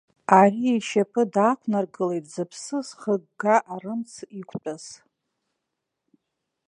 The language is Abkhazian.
Ари ишьапы даақәнаргылеит зыԥсы зхыгга арымӡ иқәтәаз.